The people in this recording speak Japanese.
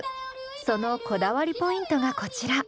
そのこだわりポイントがこちら。